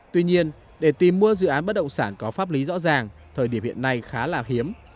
tuy nhiên để tìm mua dự án bất động sản có pháp lý rõ ràng thời điểm hiện nay khá là hiếm